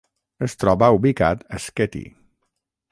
Es troba ubicat a Sketty.